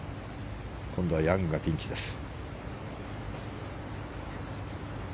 今度はヤングがピンチです。